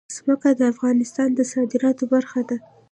ځمکه د افغانستان د صادراتو برخه ده.